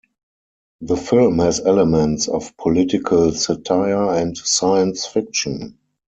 The film has elements of political satire and science fiction.